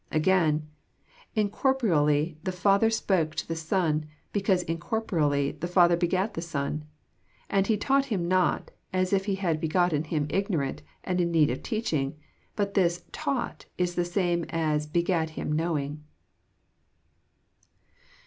Again :*• Incorporeally the Father spake to the Son, because incorporeally the Father begat the Son. And He taught Him not, as if He had begotten Him ignorant and in need of teaching; but this ' taught' is the same as begat Him knowing."